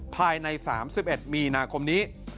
ภายใน๓๑มีนาคมนี้